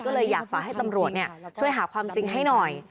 ก็เลยอยากฝากให้ตำรวจช่วยหาความจริงให้หน่อย